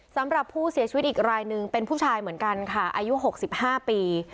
สำหรับผู้เสียชีวิตอีกรายหนึ่งเป็นผู้ชายเหมือนกันค่ะอายุ๖๕ปี